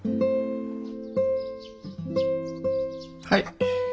はい。